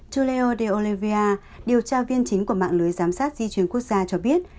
julio de oliveira điều tra viên chính của mạng lưới giám sát di chuyển quốc gia cho biết